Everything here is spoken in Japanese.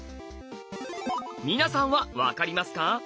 皆さんは分かりますか？